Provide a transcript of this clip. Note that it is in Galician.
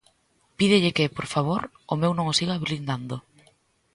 Pídelle que, por favor, o meu non o sigan blindando.